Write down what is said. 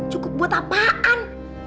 cukup buat apaan